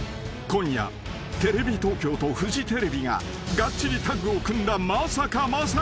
［今夜テレビ東京とフジテレビががっちりタッグを組んだまさかまさかの局またぎ］